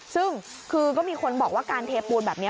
ซึ่งคือก็มีคนบอกว่าการเทปูนแบบนี้